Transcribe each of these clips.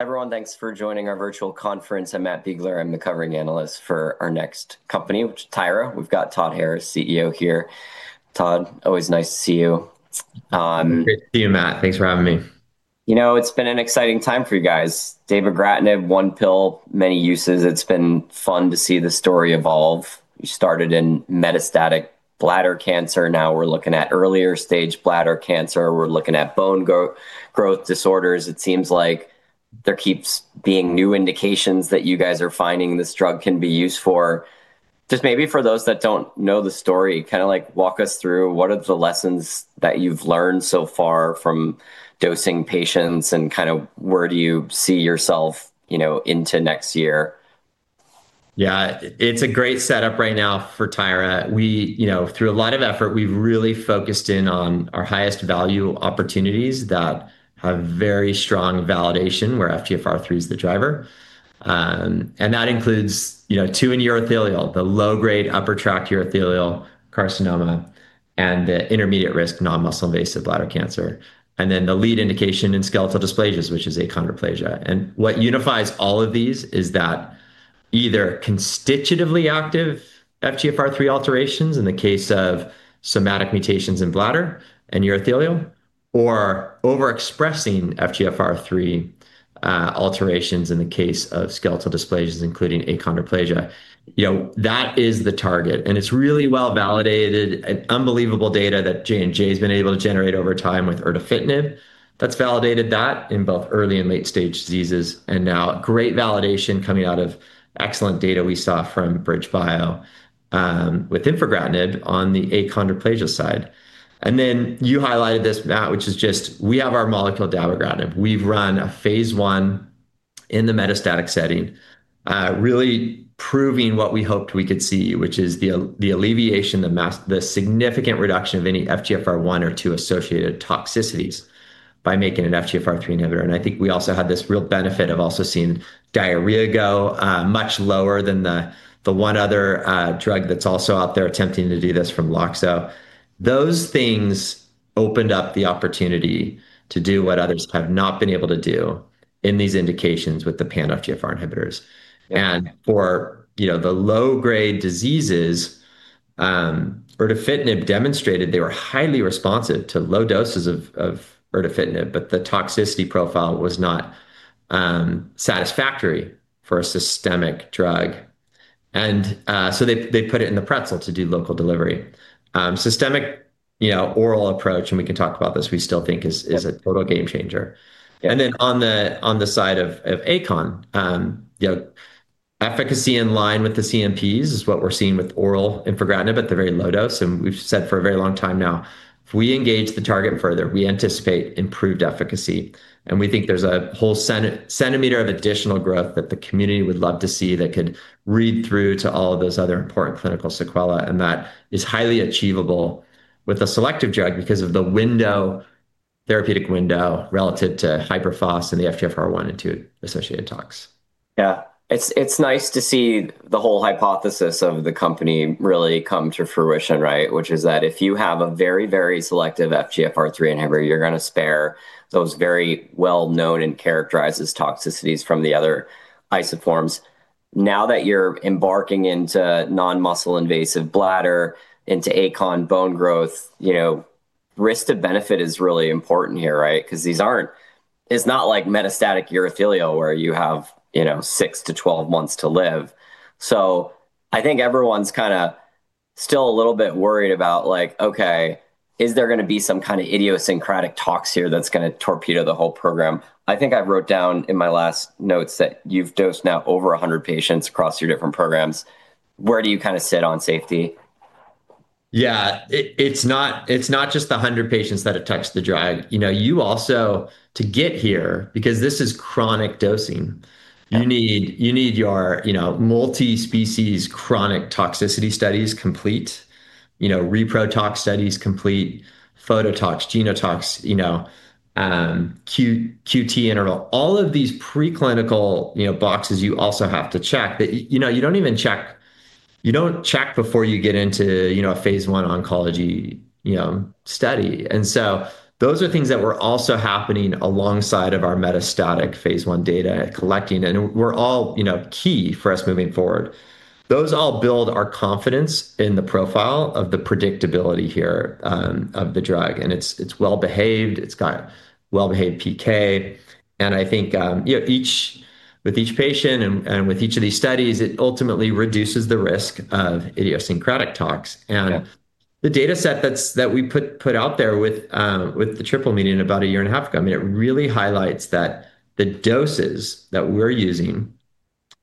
Everyone, thanks for joining our virtual Conference. I'm Matt Biegler. I'm the covering analyst for our next company, which is Tyra. We've got Todd Harris, CEO here. Todd, always nice to see you. Great to see you, Matt. Thanks for having me. You know, it's been an exciting time for you guys. dabogratinib, one pill, many uses. It's been fun to see the story evolve. You started in metastatic bladder cancer, now we're looking at earlier stage bladder cancer. We're looking at bone growth disorders. It seems like there keeps being new indications that you guys are finding this drug can be used for. Just maybe for those that don't know the story, kind of like walk us through what are the lessons that you've learned so far from dosing patients, and kind of where do you see yourself, you know, into next year? Yeah, it's a great setup right now for Tyra. We, you know, through a lot of effort, we've really focused in on our highest value opportunities that have very strong validation, where FGFR3 is the driver. That includes, you know, two in urothelial, the low-grade upper tract urothelial carcinoma, and the intermediate risk non-muscle invasive bladder cancer, and then the lead indication in skeletal dysplasias, which is achondroplasia. What unifies all of these is that either constitutively active FGFR3 alterations in the case of somatic mutations in bladder and urothelial, or overexpressing FGFR3 alterations in the case of skeletal dysplasias, including achondroplasia. You know, that is the target, and it's really well-validated and unbelievable data that J&J's been able to generate over time with erdafitinib. That's validated that in both early and late-stage diseases, now great validation coming out of excellent data we saw from BridgeBio with infigratinib on the achondroplasia side. Then you highlighted this, Matt, which is just we have our molecule, dabogratinib. We've run a phase I in the metastatic setting, really proving what we hoped we could see, which is the alleviation, the significant reduction of any FGFR1 or 2-associated toxicities by making an FGFR3 inhibitor. I think we also had this real benefit of also seeing diarrhea go much lower than the one other drug that's also out there attempting to do this from Loxo. Those things opened up the opportunity to do what others have not been able to do in these indications with the pan-FGFR inhibitors. Yeah. For, you know, the low-grade diseases, erdafitinib demonstrated they were highly responsive to low doses of erdafitinib. The toxicity profile was not satisfactory for a systemic drug. They put it in the pretzel to do local delivery. Systemic, you know, oral approach, and we can talk about this, we still think. Yeah... Is a total game changer. Yeah. On the side of achondroplasia, you know, efficacy in line with the CNPs is what we're seeing with oral infigratinib at the very low dose, and we've said for a very long time now, if we engage the target further, we anticipate improved efficacy. We think there's a whole centimeter of additional growth that the community would love to see that could read through to all of those other important clinical sequelae, and that is highly achievable with a selective drug because of the window, therapeutic window relative to hyperphosphatemia and the FGFR1 and 2 associated tox. It's, it's nice to see the whole hypothesis of the company really come to fruition, right? Which is that if you have a very, very selective FGFR3 inhibitor, you're going to spare those very well known and characterizes toxicities from the other isoforms. Now that you're embarking into non-muscle invasive bladder, into achon bone growth, you know, risk to benefit is really important here, right? Because it's not like metastatic urothelial, where you have, you know, 6-12 months to live. I think everyone's kind of still a little bit worried about, like, "Okay, is there going to be some kind of idiosyncratic tox here that's going to torpedo the whole program?" I think I wrote down in my last notes that you've dosed now over 100 patients across your different programs. Where do you kind of sit on safety? Yeah, it's not just the 100 patients that have touched the drug. You know, you also, to get here, because this is chronic dosing. Yeah ... You need, you need your, you know, multi-species chronic toxicity studies complete, you know, reproductive toxicology studies complete, phototoxicity, genotoxicity, you know, QT interval. All of these preclinical, you know, boxes you also have to check. You know, you don't even check before you get into, you know, a phase I oncology, you know, study. Those are things that were also happening alongside of our metastatic phase I data collecting, and we're all, you know, key for us moving forward. Those all build our confidence in the profile of the predictability here, of the drug, and it's well-behaved, it's got well-behaved PK. You know, with each patient and with each of these studies, it ultimately reduces the risk of idiosyncratic talks. Yeah. The data set that we put out there with the triple meeting about a year and a half ago, I mean, it really highlights that the doses that we're using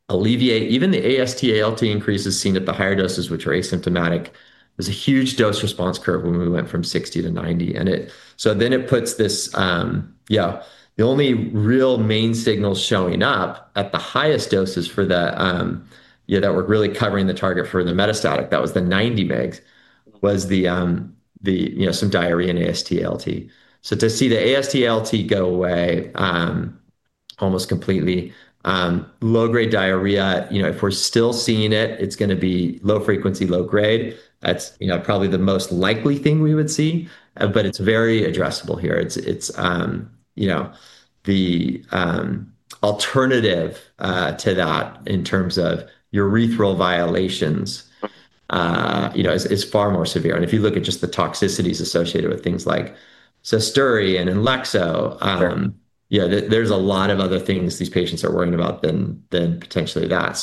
alleviate even the AST, ALT increases seen at the higher doses, which are asymptomatic. There's a huge dose response curve when we went from 60 to 90. Yeah, the only real main signal showing up at the highest doses for the, yeah, that we're really covering the target for the metastatic, that was the 90 mg, was the, you know, some diarrhea and AST, ALT. To see the AST, ALT go away, almost completely, low-grade diarrhea, you know, if we're still seeing it's going to be low frequency, low grade. That's, you know, probably the most likely thing we would see, but it's very addressable here. It's, you know, the alternative to that in terms of urethral violations, you know, is far more severe. If you look at just the toxicities associated with things like ZUSDURI and Inlexso. Yeah. There's a lot of other things these patients are worrying about than potentially that.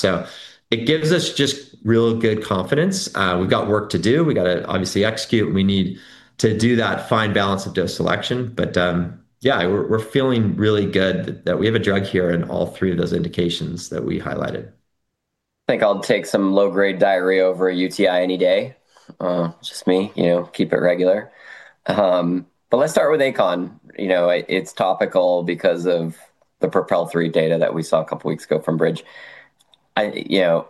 It gives us just real good confidence. We've got work to do. We gotta obviously execute, and we need to do that fine balance of dose selection. We're feeling really good that we have a drug here in all three of those indications that we highlighted. I think I'll take some low-grade diarrhea over a UTI any day. Just me, you know, keep it regular. Let's start with achondroplasia. You know, it's topical because of the PROPEL-3 data that we saw a couple of weeks ago from Bridge. You know,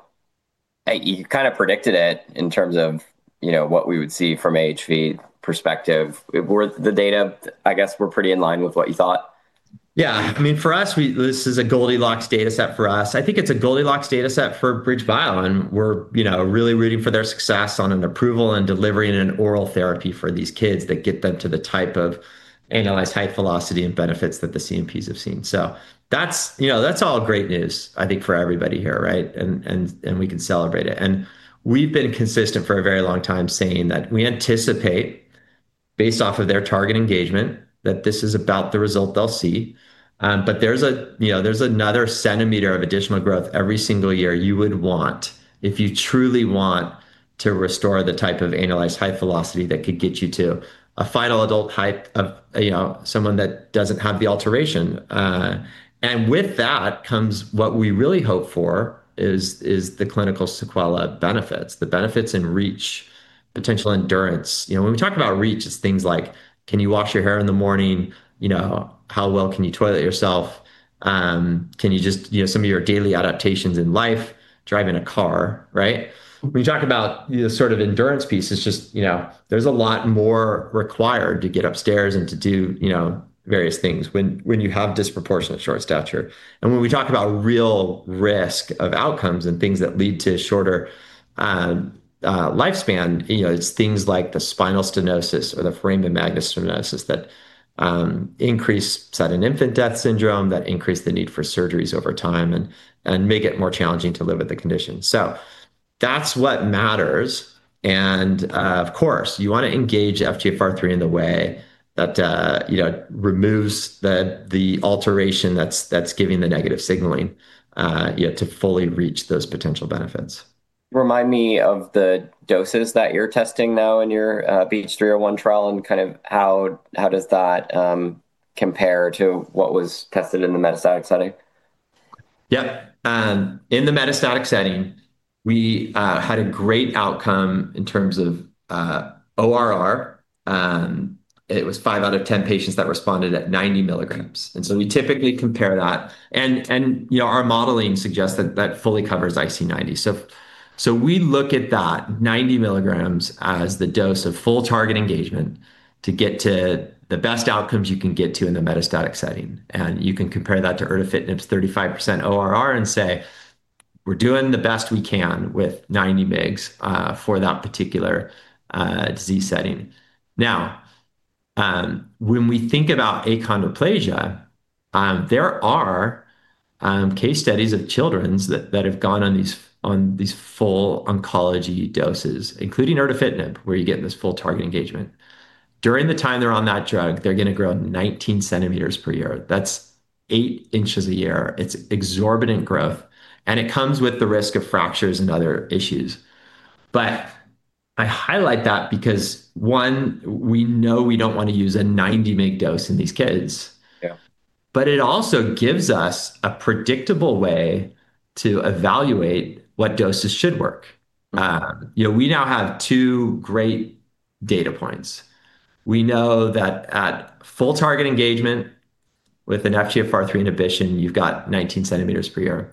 you kind of predicted it in terms of, you know, what we would see from an HV perspective. The data, I guess, were pretty in line with what you thought? Yeah. I mean, for us, this is a Goldilocks dataset for us. I think it's a Goldilocks dataset for BridgeBio, and we're, you know, really rooting for their success on an approval and delivering an oral therapy for these kids that get them to the type of analyzed height velocity and benefits that the CNPs have seen. That's, you know, that's all great news, I think, for everybody here, right? And we can celebrate it. We've been consistent for a very long time, saying that we anticipate, based off of their target engagement, that this is about the result they'll see. There's a, you know, there's another centimeter of additional growth every single year you would want if you truly want to restore the type of analyzed height velocity that could get you to a final adult height of, you know, someone that doesn't have the alteration. With that comes what we really hope for, is the clinical sequela benefits, the benefits in reach, potential endurance. You know, when we talk about reach, it's things like: Can you wash your hair in the morning? You know, how well can you toilet yourself? You know, some of your daily adaptations in life, driving a car, right? When you talk about the sort of endurance piece, it's just, you know, there's a lot more required to get upstairs and to do, you know, various things when you have disproportionate short stature. When we talk about real risk of outcomes and things that lead to shorter lifespan, you know, it's things like the spinal stenosis or the foramen magnum stenosis that increase sudden infant death syndrome, that increase the need for surgeries over time, and make it more challenging to live with the condition. That's what matters, and of course, you want to engage FGFR3 in the way that, you know, removes the alteration that's giving the negative signaling, you know, to fully reach those potential benefits. Remind me of the doses that you're testing now in your BEACH301 trial, and kind of how does that compare to what was tested in the metastatic setting? Yeah. In the metastatic setting, we had a great outcome in terms of ORR. It was 5 out of 10 patients that responded at 90 milligrams. We typically compare that. you know, our modeling suggests that that fully covers IC90. We look at that 90 milligrams as the dose of full target engagement to get to the best outcomes you can get to in the metastatic setting. You can compare that to Erdafitinib's 35% ORR and say, "We're doing the best we can with 90 mgs for that particular disease setting." Now, when we think about achondroplasia, there are case studies of children that have gone on these, on these full oncology doses, including Erdafitinib, where you get this full target engagement. During the time they're on that drug, they're gonna grow 19 centimeters per year. That's 8 inches a year. It's exorbitant growth, and it comes with the risk of fractures and other issues. I highlight that because, 1, we know we don't want to use a 90 mg dose in these kids. Yeah. It also gives us a predictable way to evaluate what doses should work. Mm. You know, we now have two great data points. We know that at full target engagement, with an FGFR3 inhibition, you've got 19 centimeters per year.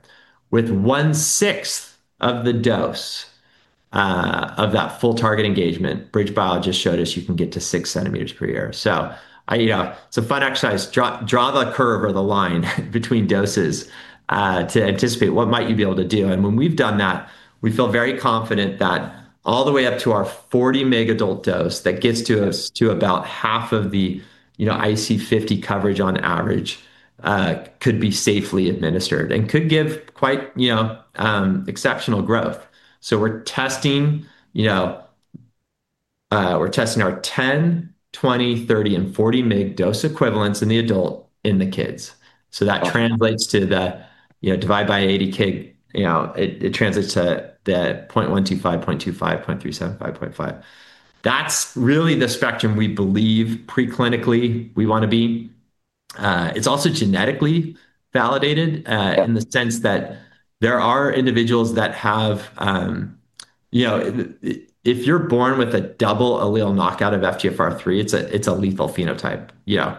With one-sixth of the dose of that full target engagement, BridgeBio just showed us you can get to 6 centimeters per year. Yeah, it's a fun exercise. Draw the curve or the line between doses to anticipate what might you be able to do. When we've done that, we feel very confident that all the way up to our 40 mg adult dose, that gets to us to about half of the, you know, IC50 coverage on average, could be safely administered and could give quite, you know, exceptional growth. We're testing, you know, we're testing our 10, 20, 30, and 40 mg dose equivalents in the adult, in the kids. Okay. That translates to the, you know, divide by 80 kg. You know, it translates to the 0.125, 0.25, 0.375, 0.5. That's really the spectrum we believe preclinically we want to be. It's also genetically validated. Yep in the sense that there are individuals that have, You know, if you're born with a double allele knockout of FGFR3, it's a lethal phenotype. You know,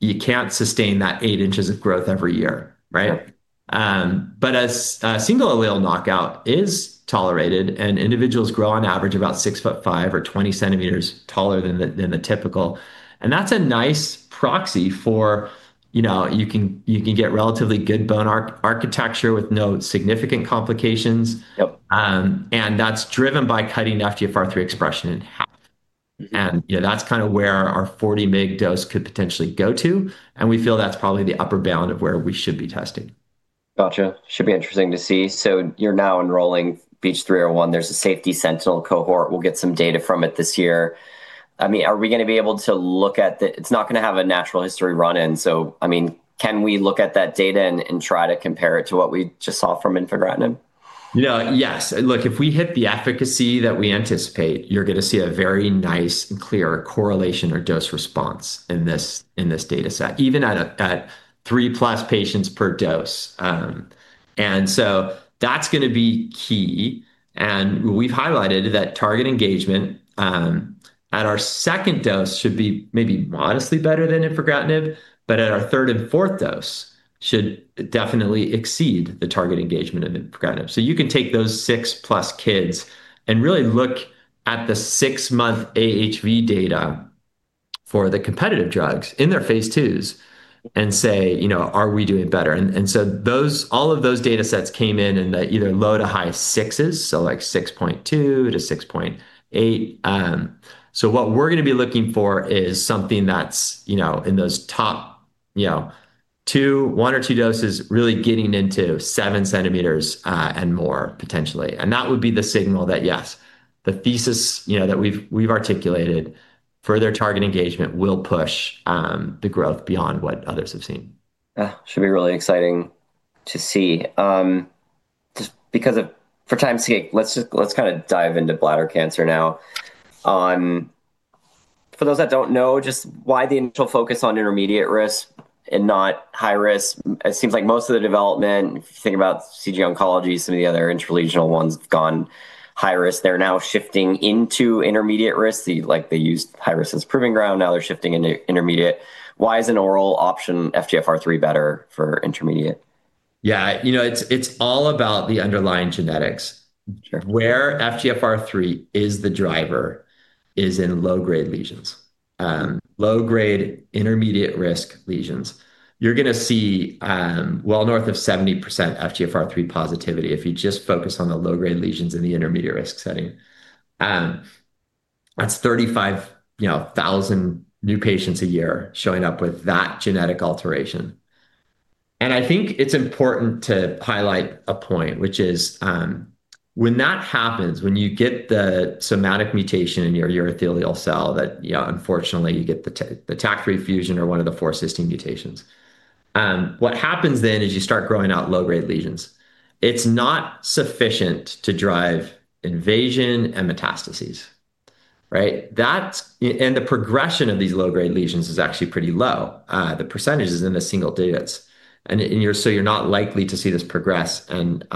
you can't sustain that eight inches of growth every year, right? Yep. A single allele knockout is tolerated, and individuals grow on average about 6 foot 5 or 20 centimeters taller than the typical. That's a nice proxy for, you know, you can, you can get relatively good bone architecture with no significant complications. Yep. That's driven by cutting FGFR3 expression in half. You know, that's kind of where our 40 mg dose could potentially go to, and we feel that's probably the upper bound of where we should be testing. Gotcha. Should be interesting to see. You're now enrolling BEACH301. There's a safety sentinel cohort. We'll get some data from it this year. It's not gonna have a natural history run-in, so, I mean, can we look at that data and try to compare it to what we just saw from Enfortumab? Yeah. Yes. Look, if we hit the efficacy that we anticipate, you're gonna see a very nice and clear correlation or dose response in this, in this data set, even at a, at 3-plus patients per dose. That's gonna be key, and we've highlighted that target engagement at our second dose should be maybe modestly better than enfortumab, but at our third and fourth dose, should definitely exceed the target engagement of enfortumab. You can take those 6-plus kids and really look at the 6-month AHV data for the competitive drugs in their phase 2s and say, "You know, are we doing better?" All of those data sets came in in the either low to high sixes, so like 6.2 to 6.8. What we're gonna be looking for is something that's, you know, in those top, you know, one or two doses, really getting into 7 centimeters, and more potentially. That would be the signal that, yes, the thesis, you know, that we've articulated, further target engagement will push the growth beyond what others have seen. Should be really exciting to see. Just because of for time's sake, let's kind of dive into bladder cancer now. For those that don't know, just why the initial focus on intermediate risk and not high risk? It seems like most of the development, if you think about CG Oncology, some of the other intralesional ones have gone high risk. They're now shifting into intermediate risk. They, like, used high risk as proving ground, now they're shifting into intermediate. Why is an oral option FGFR3 better for intermediate? Yeah, you know, it's all about the underlying genetics. Sure. Where FGFR3 is the driver is in low-grade lesions, low-grade intermediate risk lesions. You're gonna see, well, north of 70% FGFR3 positivity if you just focus on the low-grade lesions in the intermediate risk setting. That's 35,000, you know, new patients a year showing up with that genetic alteration. I think it's important to highlight a point, which is, when that happens, when you get the somatic mutation in your urothelial cell, that, you know, unfortunately, you get the TACC3 fusion or one of the four cysteine mutations, what happens then is you start growing out low-grade lesions. It's not sufficient to drive invasion and metastases, right? That's and the progression of these low-grade lesions is actually pretty low, the percentages in the single digits. You're not likely to see this progress and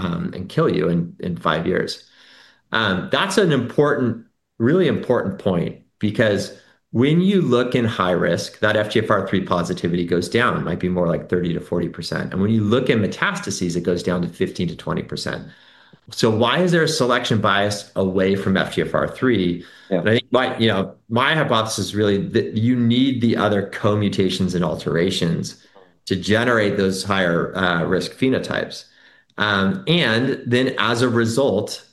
kill you in 5 years. That's an important, really important point because when you look in high risk, that FGFR3 positivity goes down. It might be more like 30%-40%. When you look at metastases, it goes down to 15%-20%. Why is there a selection bias away from FGFR3? Yeah. You know, my hypothesis really, that you need the other co-mutations and alterations to generate those higher risk phenotypes. As a result,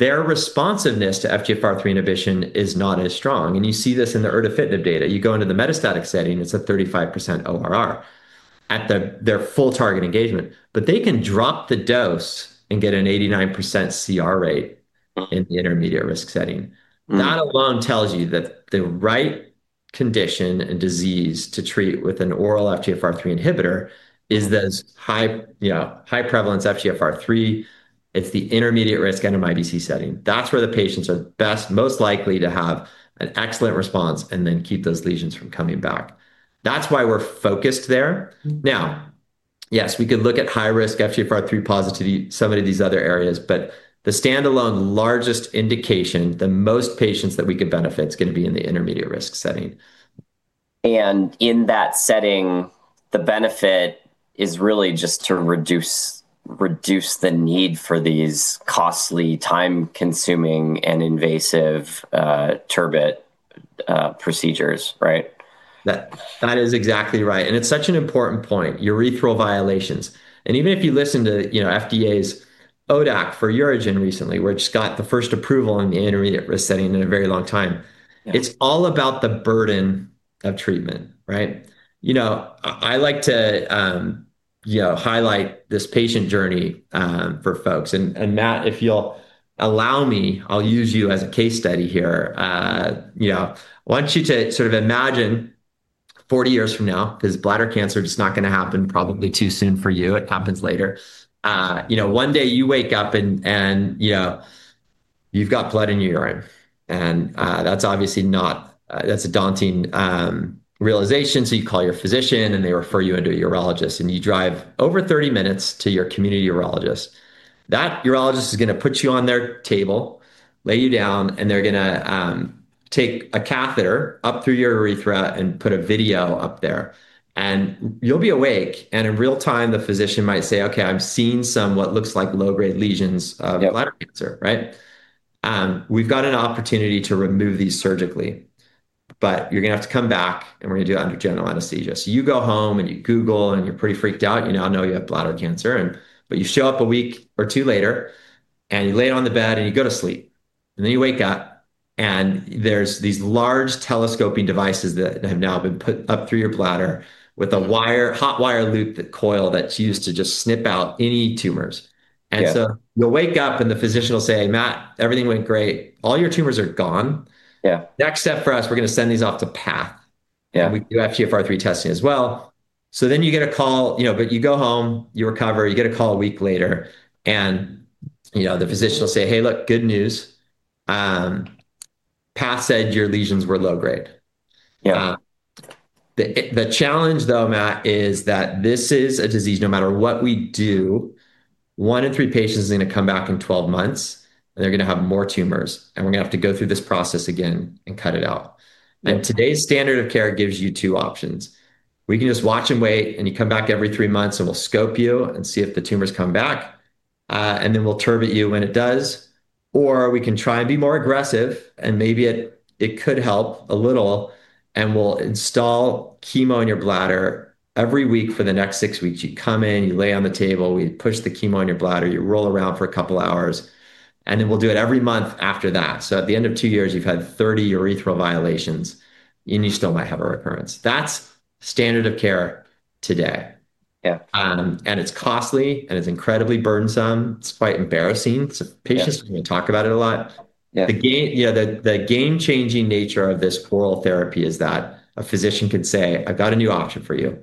their responsiveness to FGFR3 inhibition is not as strong, and you see this in the erdafitinib data. You go into the metastatic setting, it's a 35% ORR at the, their full target engagement. They can drop the dose and get an 89% CR rate. Mm-hmm In the intermediate risk setting. Mm. That alone tells you that the right condition and disease to treat with an oral FGFR3 inhibitor is those high, you know, high prevalence FGFR3. It's the intermediate risk NMIBC setting. That's where the patients are best, most likely to have an excellent response and then keep those lesions from coming back. That's why we're focused there. Mm-hmm. Yes, we could look at high-risk FGFR3 positivity, some of these other areas, but the standalone largest indication, the most patients that we could benefit, is gonna be in the intermediate risk setting. In that setting, the benefit is really just to reduce the need for these costly, time-consuming, and invasive TURBT procedures, right? That is exactly right, it's such an important point, urethral violations. Even if you listen to, you know, FDA's ODAC for UroGen recently, which got the first approval in the intermediate risk setting in a very long time. Yeah... It's all about the burden of treatment, right? You know, I like to, you know, highlight this patient journey for folks. Matt, if you'll allow me, I'll use you as a case study here. You know, I want you to sort of imagine 40 years from now, because bladder cancer is not gonna happen probably too soon for you. It happens later. You know, one day you wake up and, you know, you've got blood in your urine, and that's obviously not. That's a daunting realization, so you call your physician, and they refer you into a urologist, and you drive over 30 minutes to your community urologist. That urologist is gonna put you on their table, lay you down, and they're gonna take a catheter up through your urethra and put a video up there. You'll be awake, and in real time, the physician might say, "Okay, I'm seeing some what looks like low-grade lesions. Yeah Bladder cancer," right? We've got an opportunity to remove these surgically. You're gonna have to come back, and we're gonna do it under general anesthesia. You go home, and you Google, and you're pretty freaked out. You now know you have bladder cancer, and but you show up a week or 2 later, and you lay on the bed, and you go to sleep. You wake up, and there's these large telescoping devices that have now been put up through your bladder with a hot wire loop, that coil that's used to just snip out any tumors. Yeah. You'll wake up, and the physician will say, "Matt, everything went great. All your tumors are gone. Yeah. Next step for us, we're gonna send these off to path. Yeah. We do FGFR3 testing as well. You get a call. You know, but you go home, you recover, you get a call a week later, and, you know, the physician will say, "Hey, look, good news. Path said your lesions were low grade. Yeah. The challenge, though, Matt, is that this is a disease, no matter what we do, 1 in 3 patients is gonna come back in 12 months, and they're gonna have more tumors, and we're gonna have to go through this process again and cut it out. Yeah. Today's standard of care gives you 2 options: We can just watch and wait, and you come back every 3 months, and we'll scope you and see if the tumors come back, and then we'll TURBT you when it does. We can try and be more aggressive, and maybe it could help a little, and we'll install chemo in your bladder every week for the next 6 weeks. You come in, you lay on the table, we push the chemo in your bladder, you roll around for a couple of hours, and then we'll do it every month after that. At the end of 2 years, you've had 30 urethral violations, and you still might have a recurrence. That's standard of care today. Yeah. It's costly, and it's incredibly burdensome. It's quite embarrassing. Yeah... Patients don't want to talk about it a lot. Yeah. You know, the game-changing nature of this oral therapy is that a physician can say, "I've got a new option for you.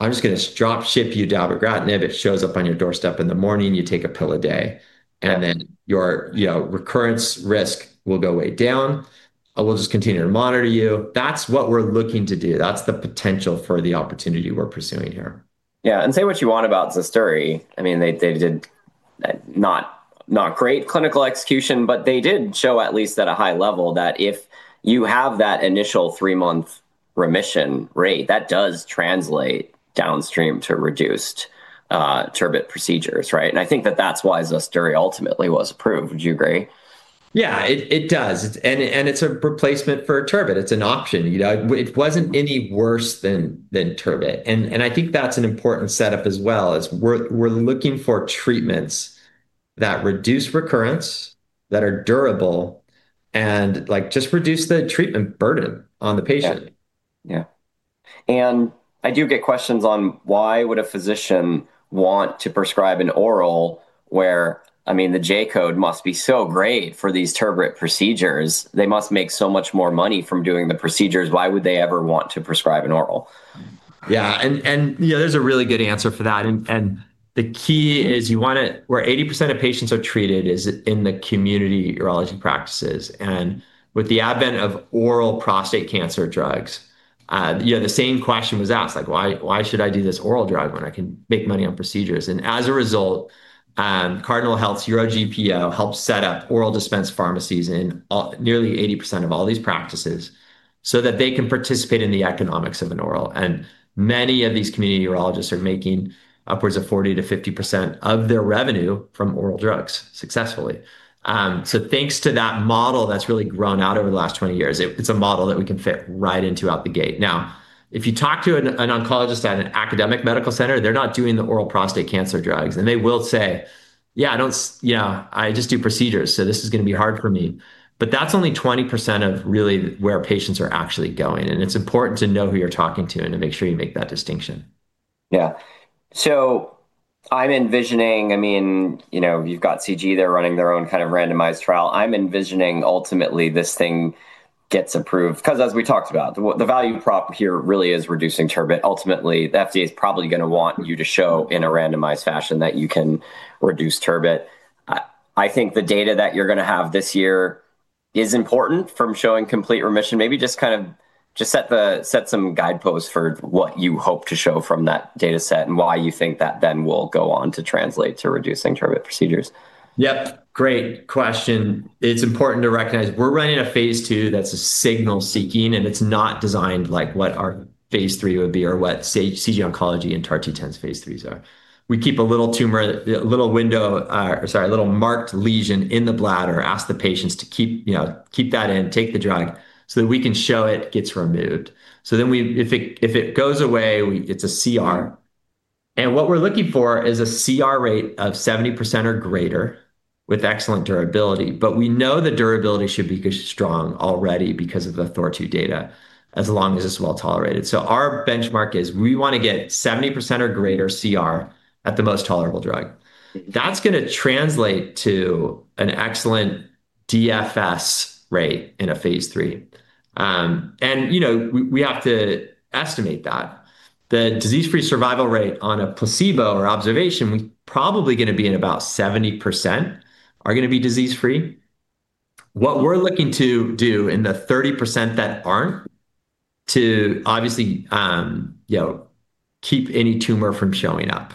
I'm just gonna drop ship you dabogratinib. It shows up on your doorstep in the morning, you take a pill a day- Yeah... Your, you know, recurrence risk will go way down. We'll just continue to monitor you." That's what we're looking to do. That's the potential for the opportunity we're pursuing here. Yeah, say what you want about ZUSDURI. I mean, they did not great clinical execution, but they did show, at least at a high level, that if you have that initial 3-month remission rate, that does translate downstream to reduced TURBT procedures, right? I think that that's why ZUSDURI ultimately was approved. Would you agree? Yeah, it does. It's a replacement for TURBT. It's an option, you know. It wasn't any worse than TURBT. I think that's an important setup as well, is we're looking for treatments that reduce recurrence, that are durable, and, like, just reduce the treatment burden on the patient. Yeah. Yeah. I do get questions on: Why would a physician want to prescribe an oral where... I mean, the J code must be so great for these TURBT procedures. They must make so much more money from doing the procedures. Why would they ever want to prescribe an oral? You know, there's a really good answer for that. The key is you want it, where 80% of patients are treated is in the community urology practices. With the advent of oral prostate cancer drugs, you know, the same question was asked, like: "Why, why should I do this oral drug when I can make money on procedures?" As a result, Cardinal Health's UroGPO helped set up oral dispense pharmacies in nearly 80% of all these practices so that they can participate in the economics of an oral. Many of these community urologists are making upwards of 40%-50% of their revenue from oral drugs successfully. Thanks to that model that's really grown out over the last 20 years, it's a model that we can fit right into out the gate. If you talk to an oncologist at an academic medical center, they're not doing the oral prostate cancer drugs, and they will say: "Yeah, I don't you know, I just do procedures, so this is gonna be hard for me." That's only 20% of really where patients are actually going, and it's important to know who you're talking to and to make sure you make that distinction. Yeah. I mean, you know, you've got CG, they're running their own kind of randomized trial. I'm envisioning, ultimately, this thing gets approved, 'cause as we talked about, the value prop here really is reducing TURBT. Ultimately, the FDA is probably gonna want you to show, in a randomized fashion, that you can reduce TURBT. I think the data that you're gonna have this year is important from showing complete remission. Maybe just kind of set some guideposts for what you hope to show from that data set and why you think that then will go on to translate to reducing TURBT procedures? Yep, great question. It's important to recognize we're running a phase II that's signal-seeking, and it's not designed like what our phase III would be or what CG Oncology and TAR-210's phase III are. We keep a little tumor, a little window, sorry, a little marked lesion in the bladder, ask the patients to keep, you know, keep that in, take the drug, so that we can show it gets removed. If it goes away, it's a CR. What we're looking for is a CR rate of 70% or greater with excellent durability, but we know the durability should be strong already because of the THOR-2 data, as long as it's well-tolerated. Our benchmark is, we wanna get 70% or greater CR at the most tolerable drug. That's gonna translate to an excellent DFS rate in a phase III. You know, we have to estimate that. The disease-free survival rate on a placebo or observation, probably gonna be at about 70% are gonna be disease-free. What we're looking to do in the 30% that aren't, to obviously, you know, keep any tumor from showing up.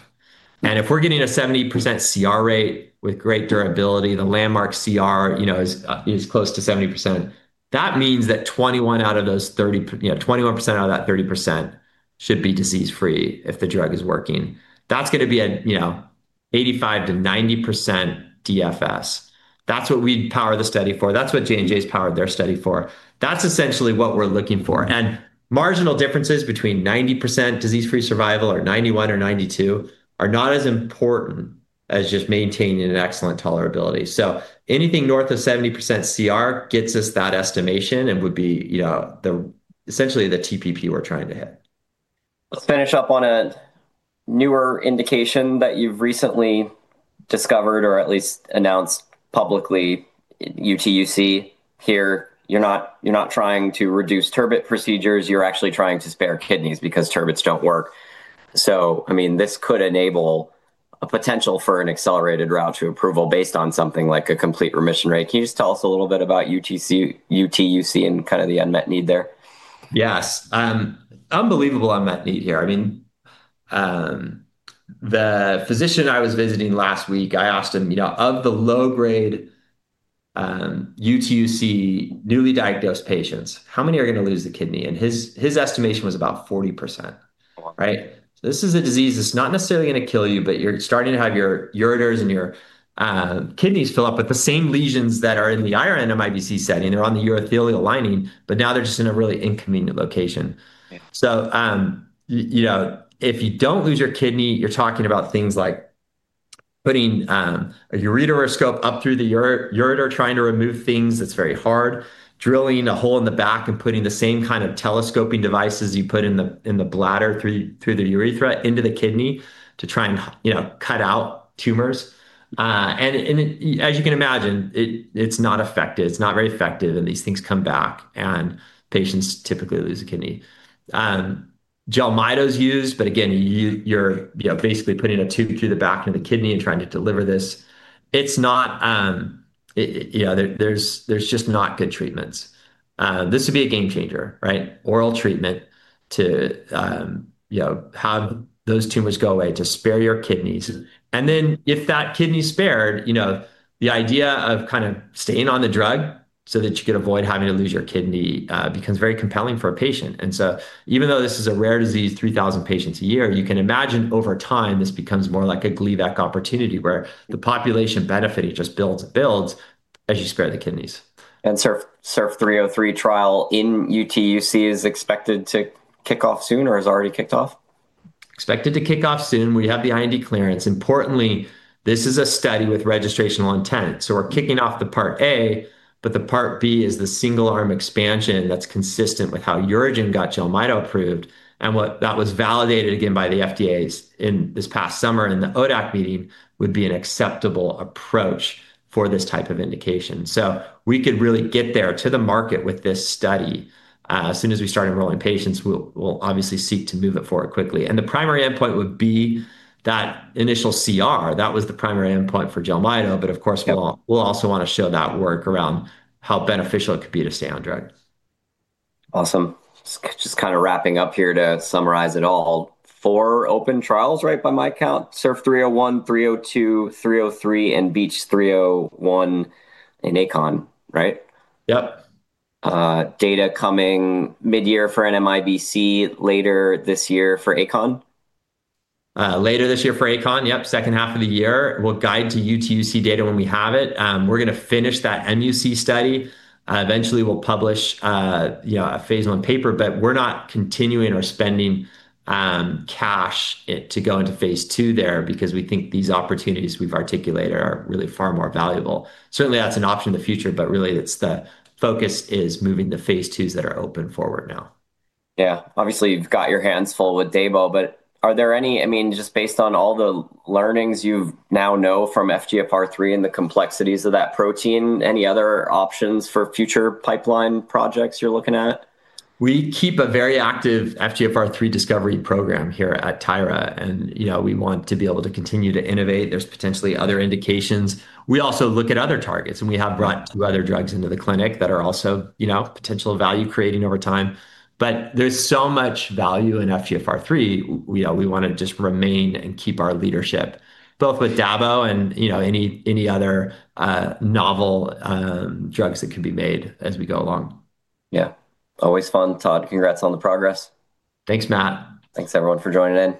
Mm-hmm. If we're getting a 70% CR rate with great durability, the landmark CR, you know, is close to 70%. That means that 21 out of those 30, you know, 21% out of that 30% should be disease-free if the drug is working. That's gonna be 85%-90% DFS. That's what we power the study for, that's what J&J's powered their study for. That's essentially what we're looking for, marginal differences between 90% disease-free survival, or 91 or 92, are not as important as just maintaining an excellent tolerability. Anything north of 70% CR gets us that estimation and would be, you know, essentially the TPP we're trying to hit. Let's finish up on a newer indication that you've recently discovered or at least announced publicly, UTUC, here. You're not trying to reduce TURBT procedures, you're actually trying to spare kidneys because TURBTs don't work. I mean, this could enable a potential for an accelerated route to approval based on something like a complete remission rate. Can you just tell us a little bit about UTUC and kind of the unmet need there? Yes. Unbelievable unmet need here. I mean, the physician I was visiting last week, I asked him, "You know, of the low-grade, UTUC newly diagnosed patients, how many are going to lose the kidney?" His estimation was about 40%. Wow. Right? This is a disease that's not necessarily going to kill you, but you're starting to have your ureters and your kidneys fill up with the same lesions that are in the IR NMIBC setting. They're on the urothelial lining, but now they're just in a really inconvenient location. Yeah. You know, if you don't lose your kidney, you're talking about things like putting a ureteroscope up through the ureter, trying to remove things. It's very hard. Drilling a hole in the back and putting the same kind of telescoping devices you put in the, in the bladder through the urethra into the kidney to try and, you know, cut out tumors. As you can imagine, it's not effective. It's not very effective, and these things come back, and patients typically lose a kidney. Gemcitabine is used, again, you're, you know, basically putting a tube through the back of the kidney and trying to deliver this. It's not, you know, there's just not good treatments. This would be a game changer, right? Oral treatment to, you know, have those tumors go away, to spare your kidneys. If that kidney's spared, you know, the idea of kind of staying on the drug so that you can avoid having to lose your kidney, becomes very compelling for a patient. Even though this is a rare disease, 3,000 patients a year, you can imagine over time, this becomes more like a Gleevec opportunity, where the population benefiting just builds and builds as you spare the kidneys. SURF303 trial in UTUC is expected to kick off soon or has already kicked off? Expected to kick off soon. We have the IND clearance. Importantly, this is a study with registrational intent, we're kicking off the Part A, but the Part B is the single-arm expansion that's consistent with how UroGen got gemcitabine approved, and what that was validated again by the FDA in this past summer, and in the ODAC meeting, would be an acceptable approach for this type of indication. We could really get there to the market with this study. As soon as we start enrolling patients, we'll obviously seek to move it forward quickly. The primary endpoint would be that initial CR. That was the primary endpoint for gemcitabine, but of course- Yeah... We'll also want to show that work around how beneficial it could be to stay on drug. Awesome. Just kind of wrapping up here to summarize it all. 4 open trials, right, by my count? SURF301, SURF302, SURF303, and BEACH301 in ICON, right? Yep. Data coming mid-year for NMIBC, later this year for ACH? Later this year for ACH, yep, second half of the year. We'll guide to UTUC data when we have it. We're gonna finish that mUC study. Eventually, we'll publish, you know, a Phase I paper, but we're not continuing or spending cash to go into Phase II there because we think these opportunities we've articulated are really far more valuable. Certainly, that's an option in the future, but really, it's the focus is moving the Phase IIs that are open forward now. Obviously, you've got your hands full with Davo, but are there any I mean, just based on all the learnings you now know from FGFR3 and the complexities of that protein, any other options for future pipeline projects you're looking at? We keep a very active FGFR3 discovery program here at Tyra, you know, we want to be able to continue to innovate. There's potentially other indications. We also look at other targets, we have brought 2 other drugs into the clinic that are also, you know, potential value-creating over time. There's so much value in FGFR3, we, you know, we want to just remain and keep our leadership, both with Davo and, you know, any other novel drugs that can be made as we go along. Yeah. Always fun, Todd. Congrats on the progress. Thanks, Matt. Thanks, everyone, for joining in.